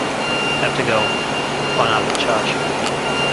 Have to go; phone out of charge.